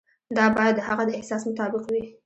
دا باید د هغه د احساس مطابق وي.